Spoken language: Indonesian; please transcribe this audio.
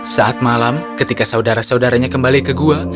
saat malam ketika saudara saudaranya kembali ke gua